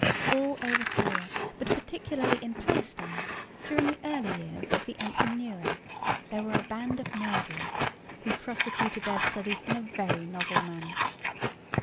All over Syria, but particularly in Palestine, during the early years of the Emperor Nero, there was a band of murderers, who prosecuted their studies in a very novel manner.